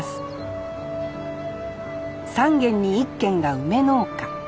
３軒に１軒が梅農家。